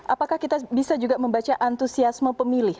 apakah kita bisa juga membaca antusiasme pemilih